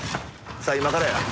さあ今からや。